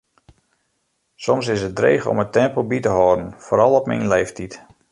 Soms is it dreech om it tempo by te hâlden, foaral op myn leeftiid.